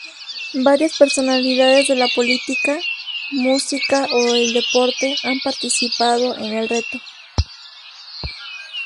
Varias personalidades de la política, música o el deporte han participado en el reto.